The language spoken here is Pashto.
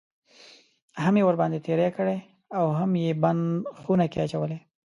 هم یې ورباندې تېری کړی اوهم یې بند خونه کې اچولی.